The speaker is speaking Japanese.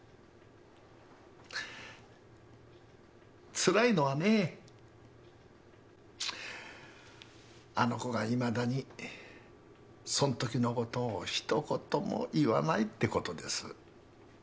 つらいのはねあの子がいまだにそんときのことをひと言も言わないってことです。